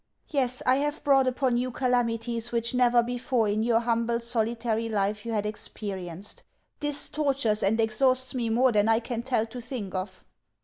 Yes, I have brought upon you calamities which never before in your humble, solitary life you had experienced. This tortures and exhausts me more than I can tell to think of.